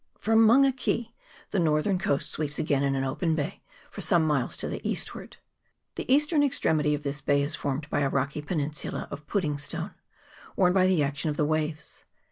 From Manga Ke the northern coast sweeps again in an open bay for some miles to the eastward. The eastern extremity of this bay is formed by a rocky peninsula of pudding stone, worn by the action of the waves.